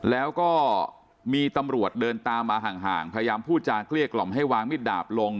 แล้วก็มีตำรวจเดินตามมาห่างพยายามพูดจากเกลี้ยกล่อมให้วางมิดดาบลง